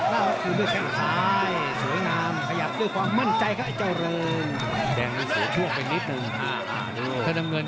แล้วตอนนี้จิ๊ดใช้